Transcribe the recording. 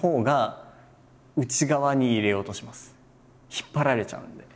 引っ張られちゃうんで。